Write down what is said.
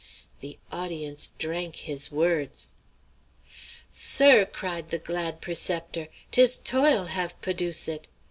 The audience drank his words. "Sir," cried the glad preceptor, "'tis toil have p'oduce it!